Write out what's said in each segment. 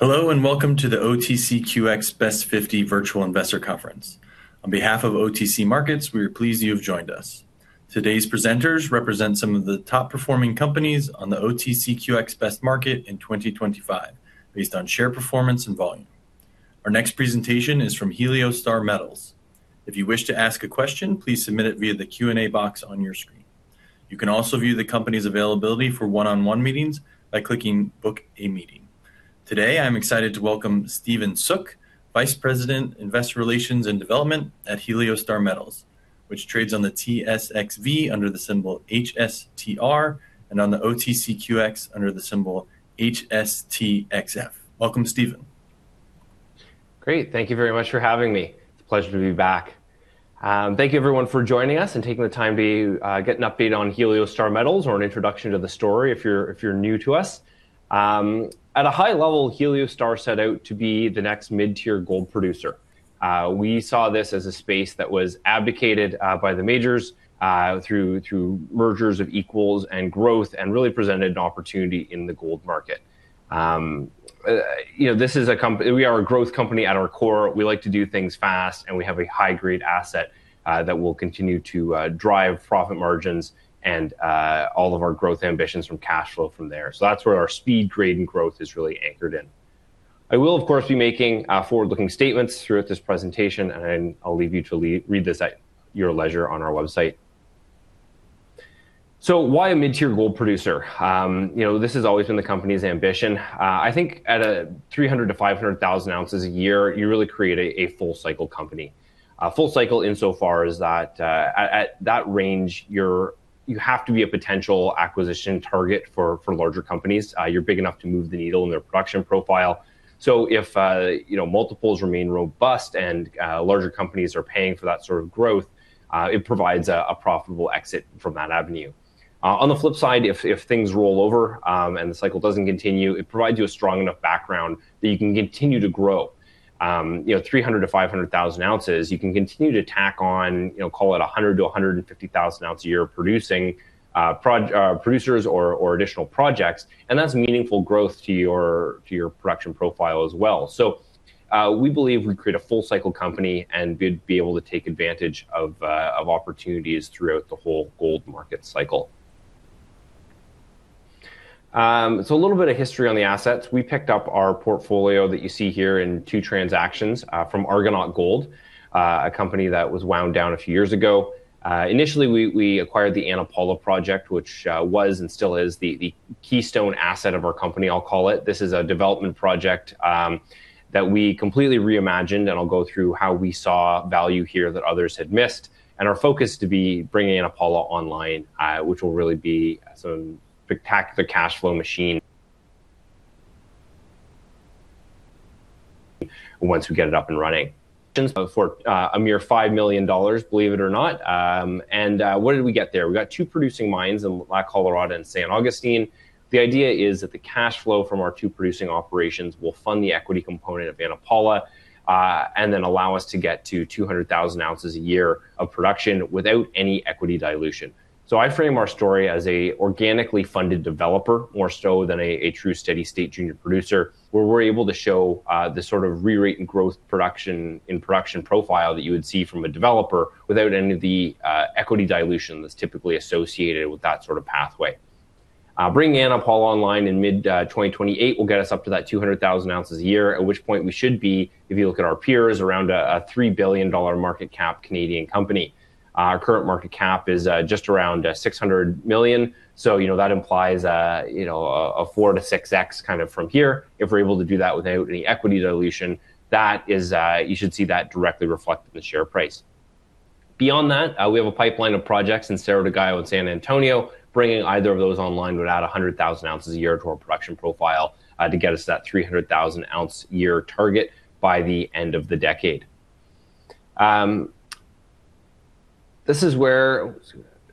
Hello and welcome to the OTCQX Best 50 Virtual Investor Conference. On behalf of OTC Markets, we are pleased you have joined us. Today's presenters represent some of the top-performing companies on the OTCQX Best Market in 2025, based on share performance and volume. Our next presentation is from Heliostar Metals. If you wish to ask a question, please submit it via the Q&A box on your screen. You can also view the company's availability for one-on-one meetings by clicking Book a Meeting. Today, I'm excited to welcome Stephen Sulis, Vice President, Investor Relations and Development at Heliostar Metals, which trades on the TSXV under the symbol HSTR and on the OTCQX under the symbol HSTXF. Welcome, Stephen. Great. Thank you very much for having me. It's a pleasure to be back. Thank you everyone for joining us and taking the time to get an update on Heliostar Metals or an introduction to the story if you're new to us. At a high level, Heliostar set out to be the next mid-tier gold producer. We saw this as a space that was abdicated by the majors through mergers of equals and growth and really presented an opportunity in the gold market. You know, we are a growth company at our core. We like to do things fast, and we have a high-grade asset that will continue to drive profit margins and all of our growth ambitions from cash flow from there. That's where our speed, grade, and growth is really anchored in. I will, of course, be making forward-looking statements throughout this presentation, and I'll leave you to read this at your leisure on our website. Why a mid-tier gold producer? You know, this has always been the company's ambition. I think at 300,000-500,000 ounces a year, you really create a full cycle company. A full cycle insofar as that, at that range, you have to be a potential acquisition target for larger companies. You're big enough to move the needle in their production profile. If you know, multiples remain robust and larger companies are paying for that sort of growth, it provides a profitable exit from that avenue. On the flip side, if things roll over and the cycle doesn't continue, it provides you a strong enough background that you can continue to grow. You know, 300-500 thousand ounces, you can continue to tack on, you know, call it 100000-150000 ounce a year producing producers or additional projects. That's meaningful growth to your production profile as well. We believe we create a full cycle company and we'd be able to take advantage of opportunities throughout the whole gold market cycle. A little bit of history on the assets. We picked up our portfolio that you see here in 2 transactions from Argonaut Gold, a company that was wound down a few years ago. Initially, we acquired the Ana Paula project, which was and still is the keystone asset of our company, I'll call it. This is a development project that we completely reimagined, and I'll go through how we saw value here that others had missed and our focus to be bringing Ana Paula online, which will really be a spectacular cash flow machine once we get it up and running. For a mere $5 million, believe it or not. What did we get there? We got 2 producing mines in La Colorada and San Agustin. The idea is that the cash flow from our 2 producing operations will fund the equity component of Ana Paula, and then allow us to get to 200,000 ounces a year of production without any equity dilution. I frame our story as an organically funded developer more so than a true steady-state junior producer, where we're able to show the sort of rerating growth production and production profile that you would see from a developer without any of the equity dilution that's typically associated with that sort of pathway. Bringing Ana Paula online in mid 2028 will get us up to that 200,000 ounces a year, at which point we should be, if you look at our peers, around a 3 billion dollar market cap Canadian company. Our current market cap is just around 600 million. You know, that implies you know a 4-6x kind of from here. If we're able to do that without any equity dilution, that is, you should see that directly reflect the share price. Beyond that, we have a pipeline of projects in Cerro de Gallo and San Antonio. Bringing either of those online would add 100,000 ounces a year to our production profile, to get us to that 300,000 ounce a year target by the end of the decade. This is where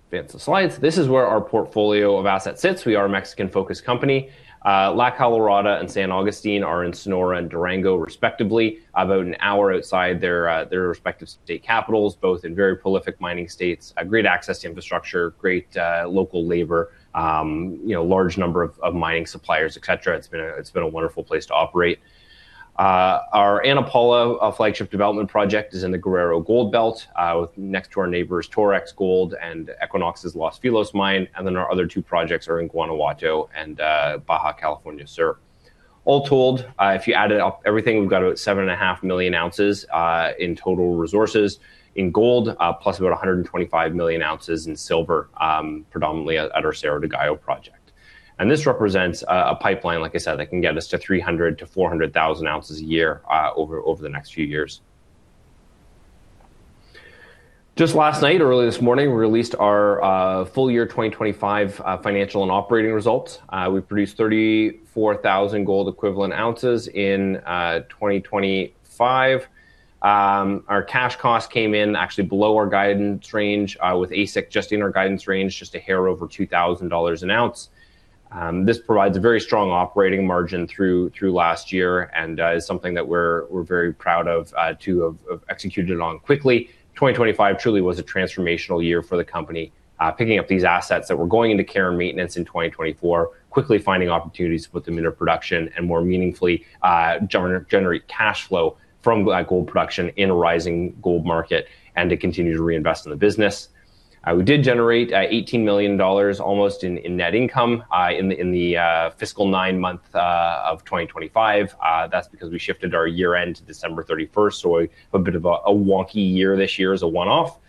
Advance the slides. This is where our portfolio of assets sits. We are a Mexican-focused company. La Colorada and San Agustin are in Sonora and Durango respectively, about an hour outside their respective state capitals, both in very prolific mining states. A great access to infrastructure, great, local labor, you know, large number of mining suppliers, et cetera. It's been a wonderful place to operate. Our Ana Paula, our flagship development project, is in the Guerrero Gold Belt, next to our neighbors, Torex Gold and Equinox Gold's Los Filos Mine. Then our other 2 projects are in Guanajuato and Baja California Sur. All told, if you added up everything, we've got about 7.5 million ounces in total resources in gold, plus about 125 million ounces in silver, predominantly at our Cerro de Gallo project. This represents a pipeline, like I said, that can get us to 300-400 thousand ounces a year, over the next few years. Just last night or early this morning, we released our full year 2025 financial and operating results. We produced 34,000 gold equivalent ounces in 2025. Our cash cost came in actually below our guidance range, with AISC just in our guidance range, just a hair over $2,000 an ounce. This provides a very strong operating margin through last year and is something that we're very proud of to have executed on quickly. 2025 truly was a transformational year for the company, picking up these assets that were going into care and maintenance in 2024, quickly finding opportunities to put them into production and more meaningfully, generate cash flow from that gold production in a rising gold market, and to continue to reinvest in the business. We did generate almost $18 million in net income in the fiscal 9-month of 2025. That's because we shifted our year-end to December 31st, so a bit of a wonky year this year as a one-off.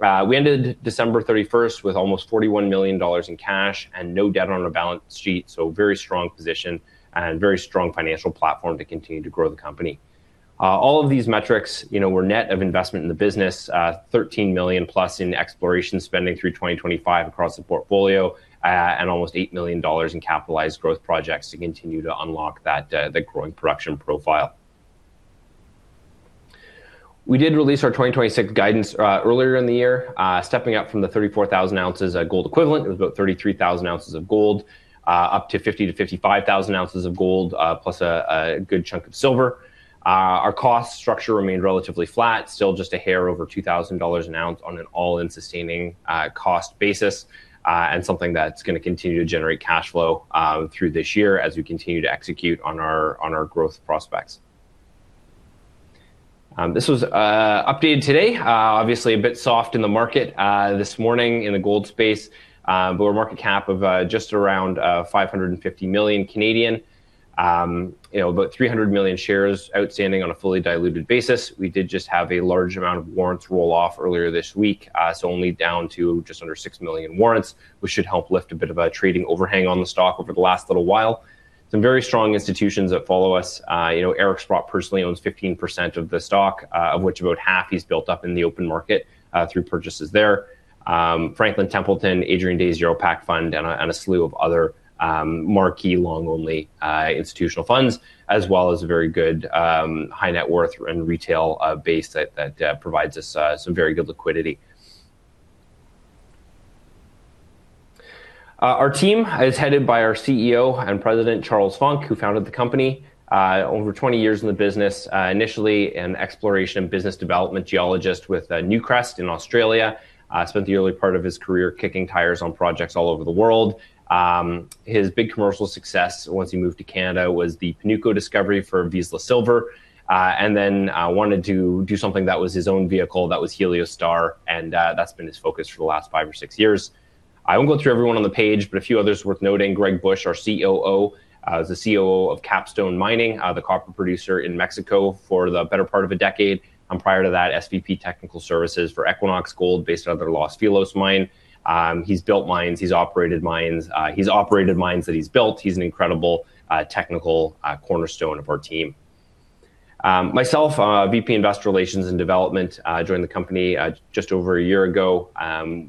We ended December 31st with almost $41 million in cash and no debt on our balance sheet, so very strong position and very strong financial platform to continue to grow the company. All of these metrics, you know, were net of investment in the business, $13 million plus in exploration spending through 2025 across the portfolio, and almost $8 million in capitalized growth projects to continue to unlock the growing production profile. We did release our 2026 guidance earlier in the year, stepping up from the 34,000 ounces of gold equivalent. It was about 33,000 ounces of gold up to 50,000-55,000 ounces of gold plus a good chunk of silver. Our cost structure remained relatively flat, still just a hair over $2,000 an ounce on an all-in sustaining cost basis, and something that's gonna continue to generate cash flow through this year as we continue to execute on our growth prospects. This was updated today. Obviously a bit soft in the market this morning in the gold space, but we're market cap of just around 550 million. You know, about 300 million shares outstanding on a fully diluted basis. We did just have a large amount of warrants roll off earlier this week, so only down to just under 6 million warrants, which should help lift a bit of a trading overhang on the stock over the last little while. Some very strong institutions that follow us. You know, Eric Sprott personally owns 15% of the stock, of which about half he's built up in the open market, through purchases there. Franklin Templeton, Adrian Day's Euro Pacific Fund, and a slew of other, marquee long-only, institutional funds, as well as a very good, high net worth and retail, base that provides us, some very good liquidity. Our team is headed by our CEO and President, Charles Funk, who founded the company, over 20 years in the business. Initially an exploration business development geologist with Newcrest in Australia. Spent the early part of his career kicking tires on projects all over the world. His big commercial success once he moved to Canada was the Panuco discovery for Vizsla Silver, and then wanted to do something that was his own vehicle, that was Heliostar, and that's been his focus for the last 5 or 6 years. I won't go through everyone on the page, but a few others worth noting. Greg Bush, our COO, was the COO of Capstone Copper, the copper producer in Mexico for the better part of a decade. Prior to that, SVP, Technical Services for Equinox Gold based out of their Los Filos mine. He's built mines, he's operated mines. He's operated mines that he's built. He's an incredible, technical, cornerstone of our team. Myself, VP Investor Relations and Development, joined the company just over a year ago.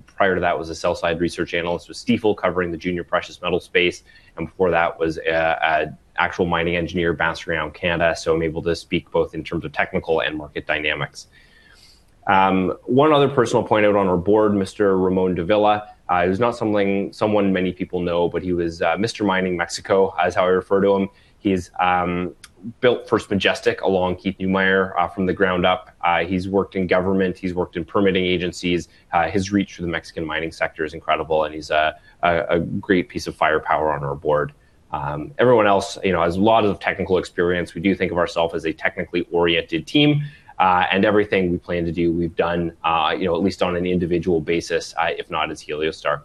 Prior to that was a sell-side research analyst with Stifel covering the junior precious metal space, and before that was an actual mining engineer bouncing around Canada, so I'm able to speak both in terms of technical and market dynamics. One other person I'll point out on our board, Mr. Ramon Davila. Who's not someone many people know, but he was Mr. Mining Mexico, is how I refer to him. He's built First Majestic along Keith Neumeyer from the ground up. He's worked in government. He's worked in permitting agencies. His reach for the Mexican mining sector is incredible, and he's a great piece of firepower on our board. Everyone else, you know, has a lot of technical experience. We do think of ourself as a technically oriented team, and everything we plan to do, we've done, you know, at least on an individual basis, if not as Heliostar.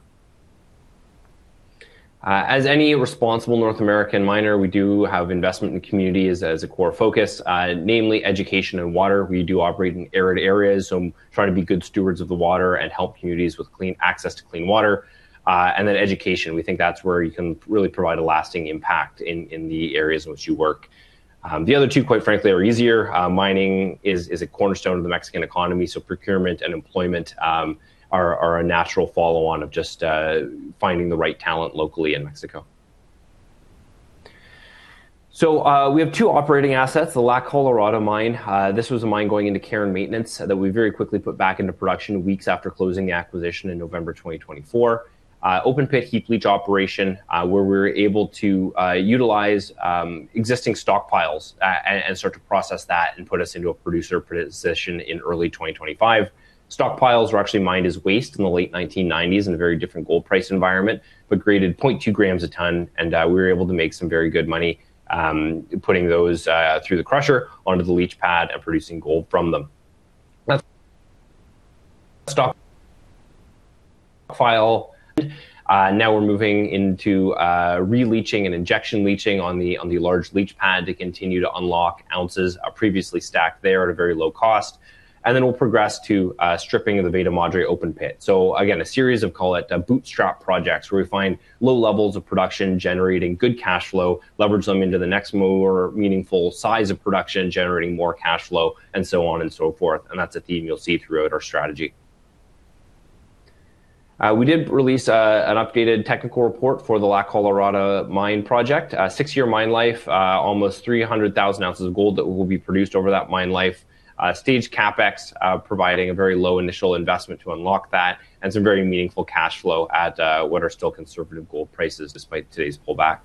As any responsible North American miner, we do have investment in communities as a core focus, namely education and water. We do operate in arid areas, so trying to be good stewards of the water and help communities with clean access to clean water. Education, we think that's where you can really provide a lasting impact in the areas in which you work. The other 2, quite frankly, are easier. Mining is a cornerstone of the Mexican economy, so procurement and employment are a natural follow-on of just finding the right talent locally in Mexico. We have 2 operating assets, the La Colorada mine. This was a mine going into care and maintenance that we very quickly put back into production weeks after closing the acquisition in November 2024. Open pit heap leach operation, where we were able to utilize existing stockpiles and start to process that and put us into a producer position in early 2025. Stockpiles were actually mined as waste in the late 1990s in a very different gold price environment, but graded 0.2g a tonne, and we were able to make some very good money putting those through the crusher onto the leach pad and producing gold from them. Stockpile, now we're moving into re-leaching and injection leaching on the large leach pad to continue to unlock ounces previously stacked there at a very low cost. Then we'll progress to stripping of the Veta Madre open pit. Again, a series of, call it, bootstrap projects where we find low levels of production generating good cash flow, leverage them into the next more meaningful size of production, generating more cash flow, and so on and so forth. That's a theme you'll see throughout our strategy. We did release an updated technical report for the La Colorada mine project. 6-year mine life, almost 300,000 ounces of gold that will be produced over that mine life. Staged CapEx, providing a very low initial investment to unlock that and some very meaningful cash flow at what are still conservative gold prices despite today's pullback.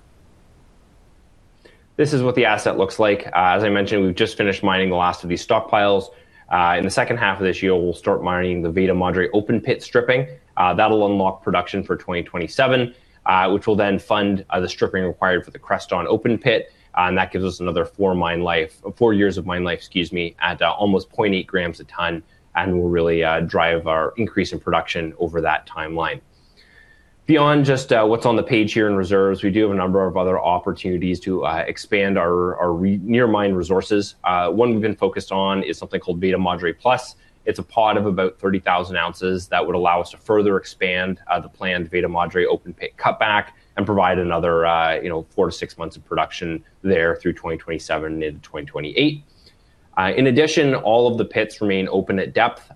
This is what the asset looks like. As I mentioned, we've just finished mining the last of these stockpiles. In the H2 of this year, we'll start mining the Veta Madre open pit stripping. That'll unlock production for 2027, which will then fund the stripping required for the Creston open pit, and that gives us another 4 years of mine life, excuse me, at almost 0.8g a tonne and will really drive our increase in production over that timeline. Beyond just what's on the page here in reserves, we do have a number of other opportunities to expand our near mine resources. 1 we've been focused on is something called Veta Madre Plus. It's a pod of about 30,000 ounces that would allow us to further expand the planned Veta Madre open pit cutback and provide another, you know, 4-6 months of production there through 2027 into 2028. In addition, all of the pits remain open at depth.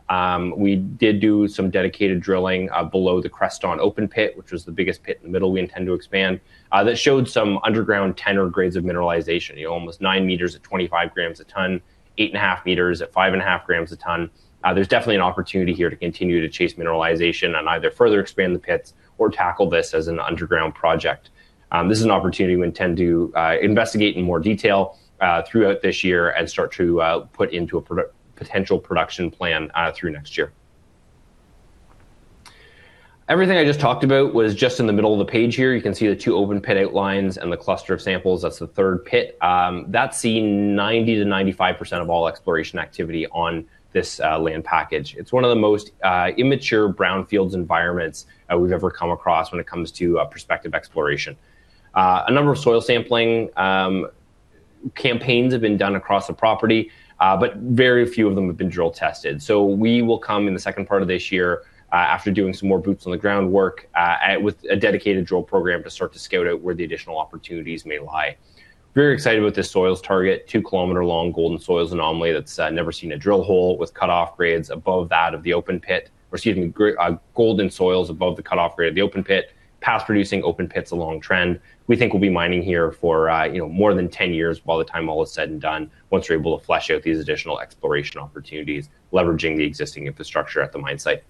We did do some dedicated drilling below the Creston open pit, which was the biggest pit in the middle we intend to expand. That showed some underground tenor grades of mineralization, you know, almost 9 meters at 25g a tonne, 8.5 meters at 5.5g a tonne. There's definitely an opportunity here to continue to chase mineralization and either further expand the pits or tackle this as an underground project. This is an opportunity we intend to investigate in more detail throughout this year and start to put into a potential production plan through next year. Everything I just talked about was just in the middle of the page here. You can see the 2 open pit outlines and the cluster of samples. That's the third pit. That's seen 90%-95% of all exploration activity on this land package. It's 1 of the most immature brownfields environments we've ever come across when it comes to prospective exploration. A number of soil sampling campaigns have been done across the property, but very few of them have been drill tested. We will come in the second part of this year, after doing some more boots on the ground work, with a dedicated drill program to start to scout out where the additional opportunities may lie. Very excited about this soils target, 2-kilometer-long golden soils anomaly that's never seen a drill hole with cutoff grades above that of the open pit. Excuse me, golden soils above the cutoff grade of the open pit, past producing open pits along trend. We think we'll be mining here for, you know, more than 10 years by the time all is said and done once we're able to flesh out these additional exploration opportunities, leveraging the existing infrastructure at the mine site.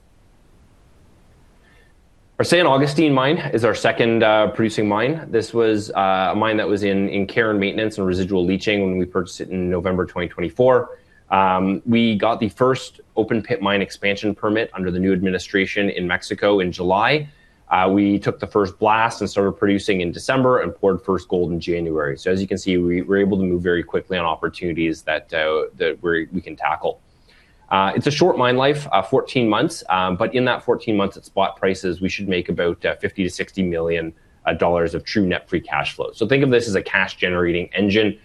Our San Agustin mine is our second producing mine. This was a mine that was in care and maintenance and residual leaching when we purchased it in November 2024. We got the first open pit mine expansion permit under the new administration in Mexico in July. We took the first blast and started producing in December and poured first gold in January. As you can see, we're able to move very quickly on opportunities that we can tackle. It's a short mine life, 14 months. But in that 14 months at spot prices, we should make about $50-$60 million of true net free cash flow. Think of this as a cash-generating engine,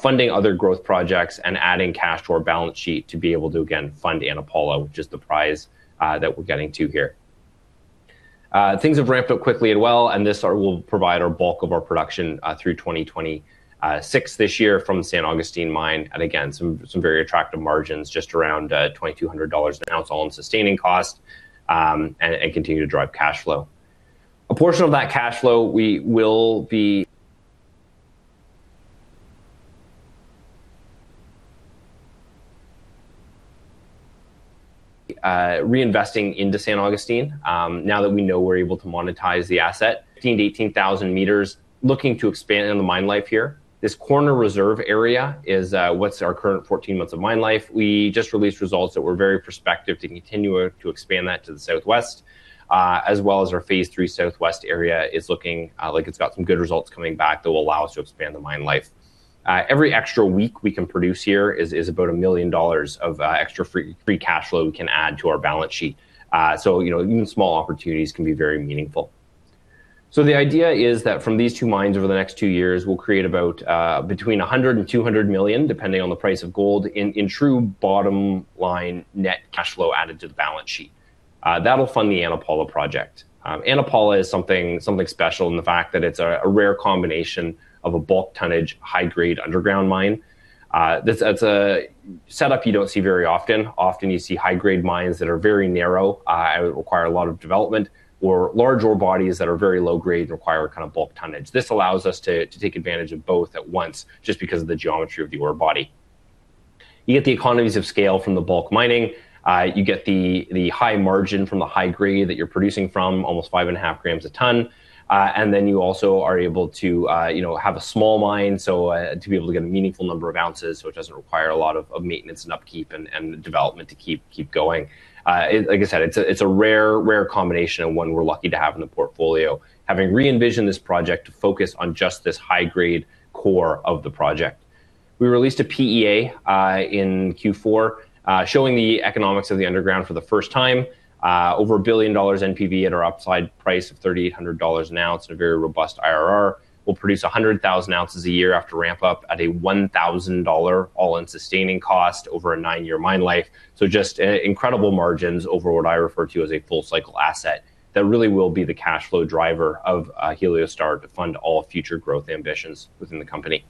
funding other growth projects and adding cash to our balance sheet to be able to again fund Ana Paula, which is the prize that we're getting to here. Things have ramped up quickly and well, this will provide bulk of our production through 2026 from San Agustin mine. Again, some very attractive margins just around $2,200 an ounce all-in sustaining cost, and continue to drive cash flow. A portion of that cash flow, we will be reinvesting into San Agustin, now that we know we're able to monetize the asset. 15,000-18,000 meters looking to expand on the mine life here. This corner reserve area is what's our current 14 months of mine life. We just released results that were very prospective to continue to expand that to the southwest, as well as our phase 3 southwest area is looking like it's got some good results coming back that will allow us to expand the mine life. Every extra week we can produce here is about $1 million of extra free cash flow we can add to our balance sheet. You know, even small opportunities can be very meaningful. The idea is that from these 2 mines over the next 2 years, we'll create about between $100 million and $200 million, depending on the price of gold in true bottom-line net cash flow added to the balance sheet. That'll fund the Ana Paula project. Ana Paula is something special in the fact that it's a rare combination of a bulk tonnage, high-grade underground mine. This is a setup you don't see very often. Often, you see high-grade mines that are very narrow, require a lot of development or large ore bodies that are very low grade require kind of bulk tonnage. This allows us to take advantage of both at once just because of the geometry of the ore body. You get the economies of scale from the bulk mining. You get the high margin from the high grade that you're producing from almost 5.5g a tonne. You also are able to, you know, have a small mine, so, to be able to get a meaningful number of ounces, so it doesn't require a lot of maintenance and upkeep and development to keep going. Like I said, it's a rare combination and 1 we're lucky to have in the portfolio, having re-envisioned this project to focus on just this high-grade core of the project. We released a PEA in Q4, showing the economics of the underground for the first time. Over $1 billion NPV at our upside price of $3,800 an ounce at a very robust IRR. We'll produce 100,000 ounces a year after ramp-up at a $1,000 all-in sustaining cost over a 9-year mine life. Incredible margins over what I refer to as a full cycle asset that really will be the cash flow driver of Heliostar to fund all future growth ambitions within the company.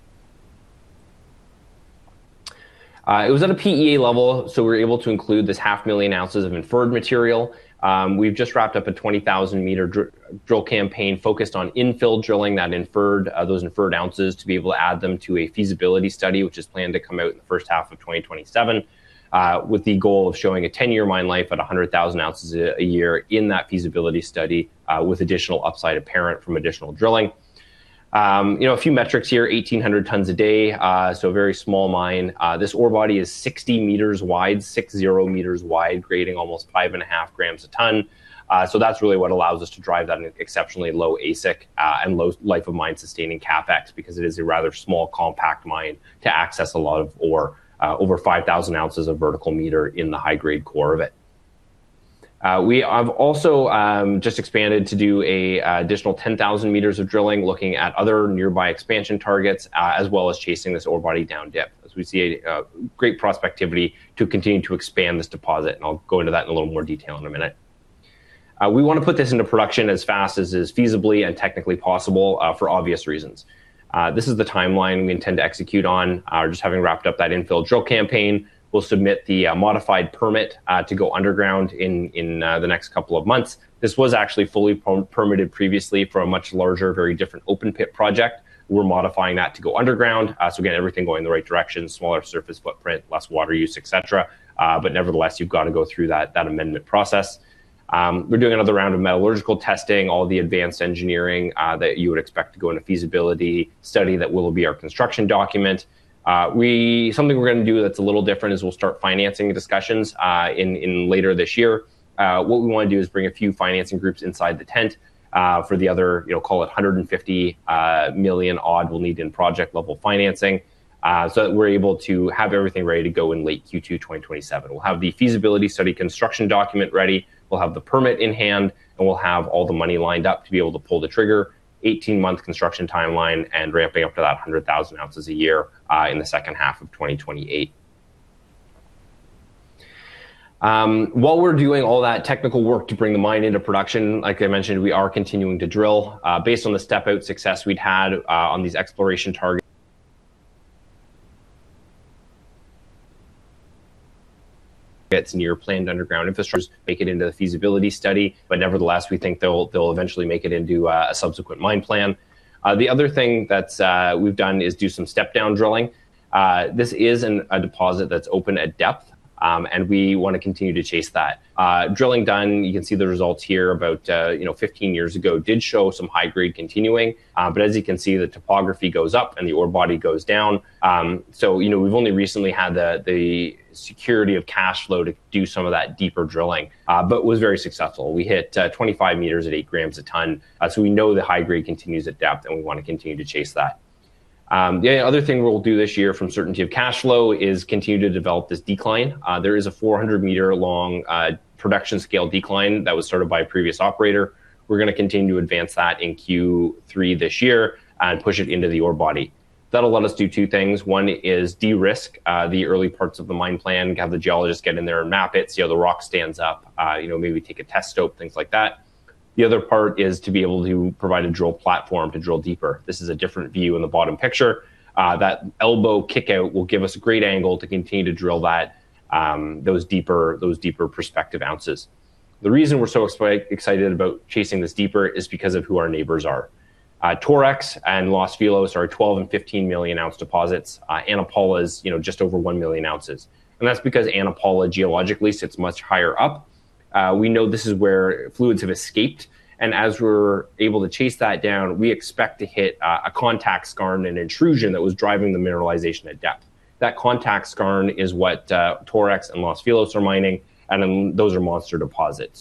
It was at a PEA level, so we were able to include this 500,000 ounces of inferred material. We've just wrapped up a 20,000-meter drill campaign focused on infill drilling that inferred those inferred ounces to be able to add them to a feasibility study, which is planned to come out in the H1 of 2027, with the goal of showing a ten-year mine life at 100,000 ounces a year in that feasibility study, with additional upside apparent from additional drilling. You know, a few metrics here, 1,800 tonnes a day, so a very small mine. This ore body is 60 meters wide, grading almost 5.5g a tonne. So that's really what allows us to drive that exceptionally low AISC, nand low life of mine sustaining CapEx because it is a rather small compact mine to access a lot of ore, over 5,000 ounces per vertical meter in the high-grade core of it. We have also just expanded to do an additional 10,000 meters of drilling looking at other nearby expansion targets, as well as chasing this ore body down dip as we see a great prospectivity to continue to expand this deposit. I'll go into that in a little more detail in a minute. We want to put this into production as fast as is feasibly and technically possible, for obvious reasons. This is the timeline we intend to execute on. Just having wrapped up that infill drill campaign, we'll submit the modified permit to go underground in the next couple of months. This was actually fully permitted previously for a much larger, very different open pit project. We're modifying that to go underground. Again, everything going in the right direction, smaller surface footprint, less water use, et cetera. Nevertheless, you've got to go through that amendment process. We're doing another round of metallurgical testing, all the advanced engineering that you would expect to go in a feasibility study that will be our construction document. Something we're going to do that's a little different is we'll start financing discussions in later this year. What we want to do is bring a few financing groups inside the tent, you know, call it $150 million odd we'll need in project level financing, so that we're able to have everything ready to go in late Q2 2027. We'll have the feasibility study construction document ready. We'll have the permit in hand, and we'll have all the money lined up to be able to pull the trigger, 18-month construction timeline, and ramping up to that 100,000 ounces a year, in the H2 of 2028. While we're doing all that technical work to bring the mine into production, like I mentioned, we are continuing to drill, based on the step-out success we'd had, on these exploration target gets near planned underground infrastructures, make it into the feasibility study. Nevertheless, we think they'll eventually make it into a subsequent mine plan. The other thing we've done is do some step-down drilling. This is in a deposit that's open at depth, and we want to continue to chase that. Drilling done, you can see the results here about, you know, 15 years ago did show some high grade continuing. As you can see, the topography goes up and the ore body goes down. You know, we've only recently had the security of cash flow to do some of that deeper drilling, but was very successful. We hit 25 meters at 8g a tonne. We know the high grade continues at depth, and we want to continue to chase that. The other thing we'll do this year from certainty of cash flow is continue to develop this decline. There is a 400-meter-long production-scale decline that was started by a previous operator. We're going to continue to advance that in Q3 this year and push it into the ore body. That'll let us do 2 things. 1 is de-risk the early parts of the mine plan, have the geologists get in there and map it, see how the rock stands up, you know, maybe take a test stope, things like that. The other part is to be able to provide a drill platform to drill deeper. This is a different view in the bottom picture. That elbow kickout will give us a great angle to continue to drill that, those deeper prospective ounces. The reason we're so excited about chasing this deeper is because of who our neighbors are. Torex and Los Filos are 12- and 15-million-ounce deposits. Ana Paula's, you know, just over 1 million ounces. That's because Ana Paula geologically sits much higher up. We know this is where fluids have escaped. As we're able to chase that down, we expect to hit a contact skarn, an intrusion that was driving the mineralization at depth. That contact skarn is what Torex and Los Filos are mining, and then those are monster deposits.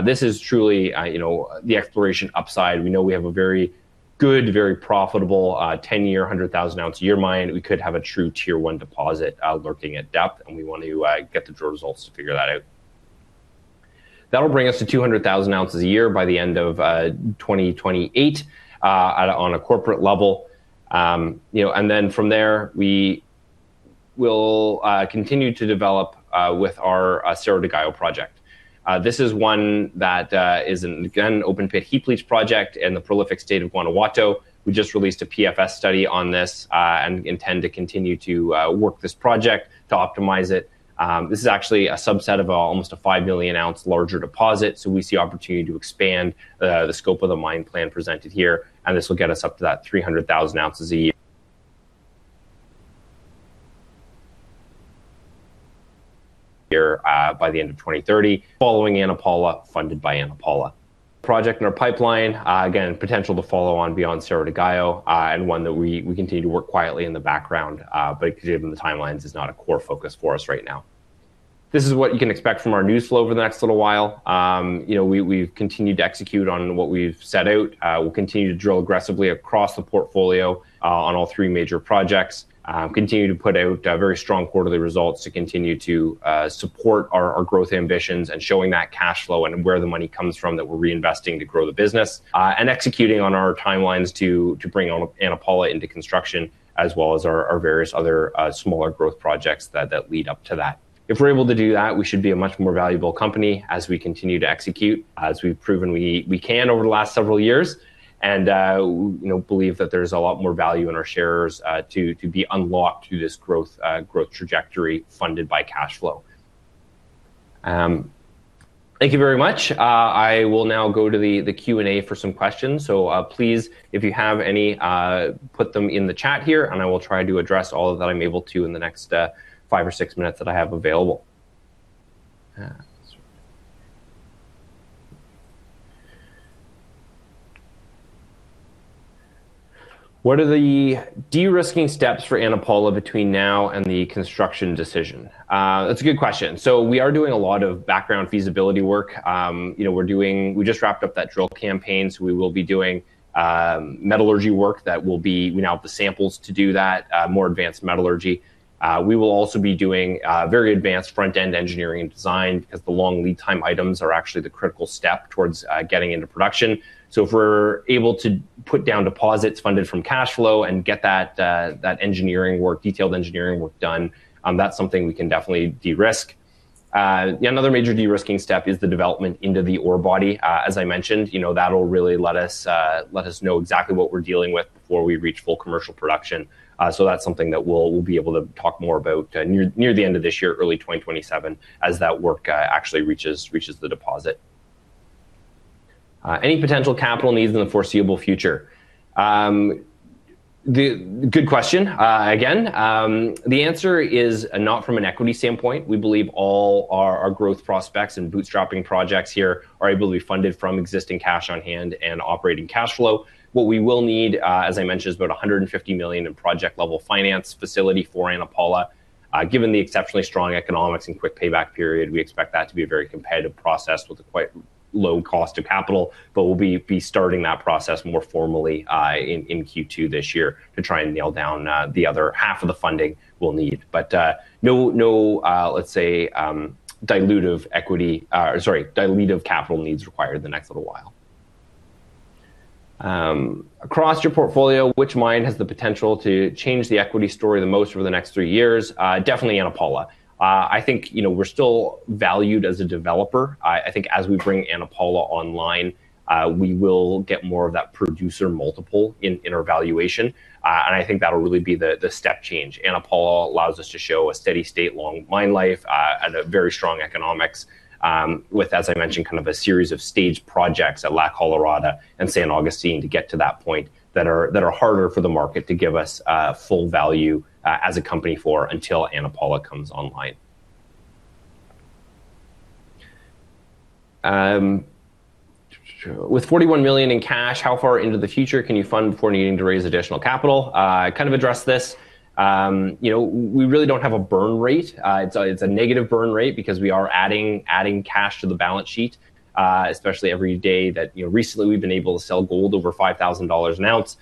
This is truly, you know, the exploration upside. We know we have a very good, very profitable 10-year, 100,000-ounce-a-year mine. We could have a true T1 deposit lurking at depth, and we want to get the drill results to figure that out. That'll bring us to 200,000 ounces a year by the end of 2028 on a corporate level. You know, from there we will continue to develop with our Cerro de Gallo project. This is 1 that is, again, an open pit heap leach project in the prolific state of Guanajuato. We just released a PFS study on this and intend to continue to work this project to optimize it. This is actually a subset of almost a 5 million ounce larger deposit. We see opportunity to expand the scope of the mine plan presented here, and this will get us up to that 300,000 ounces a year here, by the end of 2030 following Ana Paula, funded by Ana Paula project in our pipeline, again, potential to follow on beyond Cerro de Gallo, and 1 that we continue to work quietly in the background, but given the timelines is not a core focus for us right now. This is what you can expect from our news flow over the next little while. You know, we've continued to execute on what we've set out. We'll continue to drill aggressively across the portfolio, on all 3 major projects, continue to put out very strong quarterly results to continue to support our growth ambitions and showing that cash flow and where the money comes from that we're reinvesting to grow the business, and executing on our timelines to bring Ana Paula into construction as well as our various other smaller growth projects that lead up to that. If we're able to do that, we should be a much more valuable company as we continue to execute, as we've proven we can over the last several years, and you know, believe that there's a lot more value in our shares to be unlocked through this growth trajectory funded by cash flow. Thank you very much. I will now go to the Q&A for some questions. Please, if you have any, put them in the chat here, and I will try to address all that I'm able to in the next 5 or 6 minutes that I have available. What are the de-risking steps for Ana Paula between now and the construction decision? That's a good question. We are doing a lot of background feasibility work. You know, we just wrapped up that drill campaign, so we will be doing metallurgy work. We now have the samples to do that more advanced metallurgy. We will also be doing very advanced front-end engineering and design as the long lead time items are actually the critical step towards getting into production. If we're able to put down deposits funded from cash flow and get that engineering work, detailed engineering work done, that's something we can definitely de-risk. Another major de-risking step is the development into the ore body. As I mentioned, you know, that'll really let us know exactly what we're dealing with before we reach full commercial production. That's something that we'll be able to talk more about near the end of this year, early 2027, as that work actually reaches the deposit. Any potential capital needs in the foreseeable future? Good question. Again, the answer is not from an equity standpoint. We believe all our growth prospects and bootstrapping projects here are able to be funded from existing cash on hand and operating cash flow. What we will need, as I mentioned, is about $150 million in project-level finance facility for Ana Paula. Given the exceptionally strong economics and quick payback period, we expect that to be a very competitive process with a quite low cost of capital. We'll be starting that process more formally in Q2 this year to try and nail down the other half of the funding we'll need. No dilutive capital needs required in the next little while. Across your portfolio, which mine has the potential to change the equity story the most over the next 3 years? Definitely Ana Paula. I think, you know, we're still valued as a developer. I think as we bring Ana Paula online, we will get more of that producer multiple in our valuation. I think that'll really be the step change. Ana Paula allows us to show a steady state long mine life and a very strong economics with, as I mentioned, kind of a series of staged projects at La Colorada and San Agustin to get to that point that are harder for the market to give us full value as a company for until Ana Paula comes online. With $41 million in cash, how far into the future can you fund before needing to raise additional capital? I kind of addressed this. You know, we really don't have a burn rate. It's a negative burn rate because we are adding cash to the balance sheet, especially every day that, you know, recently we've been able to sell gold over $5,000 an ounce.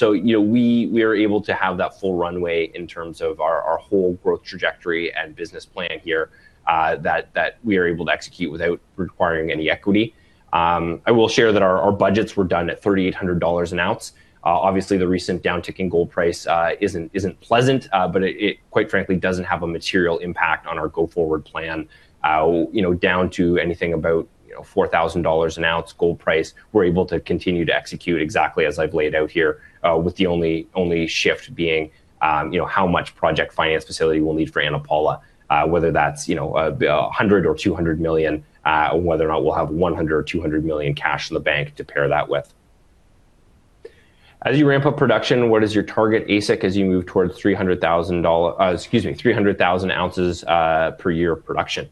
You know, we are able to have that full runway in terms of our whole growth trajectory and business plan here, that we are able to execute without requiring any equity. I will share that our budgets were done at $3,800 an ounce. Obviously, the recent downtick in gold price isn't pleasant, but it quite frankly doesn't have a material impact on our go-forward plan. You know, down to anything about, you know, $4,000 an ounce gold price, we're able to continue to execute exactly as I've laid out here, with the only shift being, you know, how much project finance facility we'll need for Ana Paula. Whether that's, you know, $100 million or $200 million, whether or not we'll have $100 million or $200 million cash in the bank to pair that with. As you ramp up production, what is your target AISC as you move towards 300,000 ounces per year production?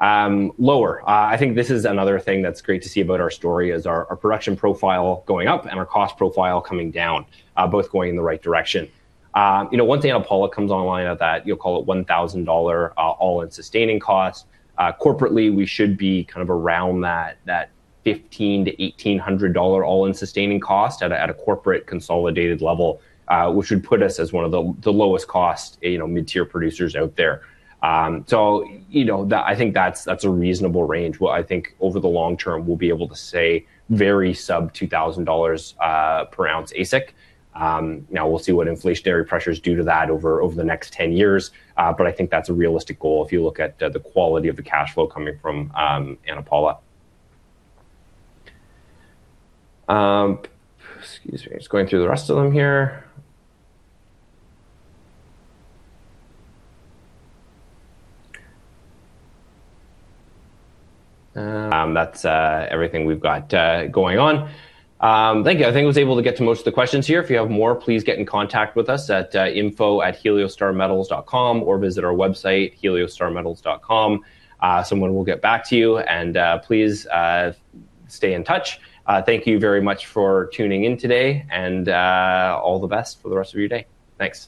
Lower. I think this is another thing that's great to see about our story is our production profile going up and our cost profile coming down, both going in the right direction. You know, once Ana Paula comes online at that, you'll call it $1,000 all-in sustaining cost. Corporately, we should be kind of around that $1,500-$1,800 all-in sustaining cost at a corporate consolidated level, which would put us as 1 of the lowest cost, you know, mid-tier producers out there. So, you know, that I think that's a reasonable range. What I think over the long term, we'll be able to say very sub $2,000 per ounce AISC. Now we'll see what inflationary pressures do to that over the next 10 years, but I think that's a realistic goal if you look at the quality of the cash flow coming from Ana Paula. Excuse me. Just going through the rest of them here. That's everything we've got going on. Thank you. I think I was able to get to most of the questions here. If you have more, please get in contact with us at info@heliostarmetals.com or visit our website, heliostarmetals.com. Someone will get back to you and please stay in touch. Thank you very much for tuning in today and all the best for the rest of your day. Thanks.